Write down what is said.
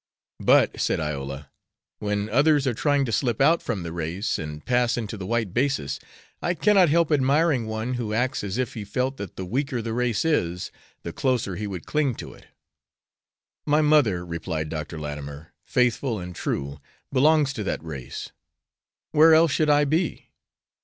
"But," said Iola, "when others are trying to slip out from the race and pass into the white basis, I cannot help admiring one who acts as if he felt that the weaker the race is the closer he would cling to it." "My mother," replied Dr. Latimer, "faithful and true, belongs to that race. Where else should I be?